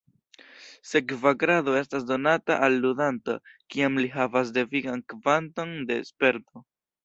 Sekva grado estas donata al ludanto kiam li havas devigan kvanton de "sperto".